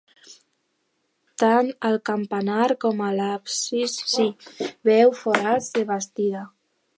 Tant al campanar com a l'absis s'hi veuen forats de bastida.